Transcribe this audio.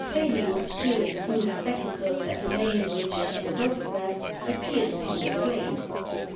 Paley was peering through his spectacles at the name which, in the photograph, appeared upon the slate.